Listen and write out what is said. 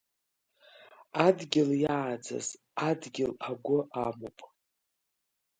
Адгьыл иааӡаз, адгьыл агәы амоуп.